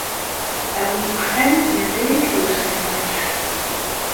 A win yufan, mazal-ik deg usegnaf.